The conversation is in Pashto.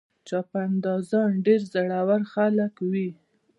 چاپندازان ډېر زړور خلک وي.